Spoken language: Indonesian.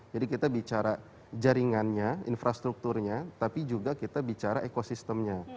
jadi kita bicara jaringannya infrastrukturnya tapi juga kita bicara ekosistemnya